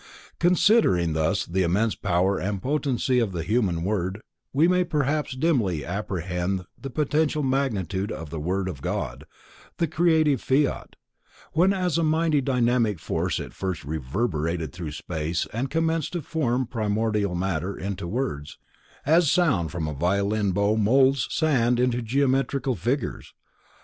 Considering thus the immense power and potency of the human word, we may perhaps dimly apprehend the potential magnitude of the Word of God, the Creative Fiat, when as a mighty dynamic force it first reverberated through space and commenced to form primordial matter into worlds, as sound from a violin bow moulds sand into geometrical figures.